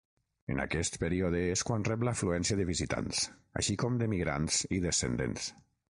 En aquest període és quan rep l'afluència de visitants, així com d'emigrants i descendents.